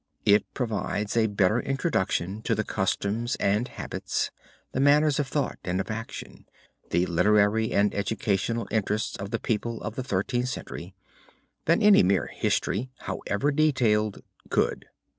It provides a better introduction to the customs and habits, the manners of thought and of action, the literary and educational interests of the people of the Thirteenth Century, than any mere history, however detailed, could.